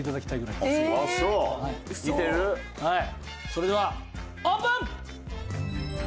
それではオープン！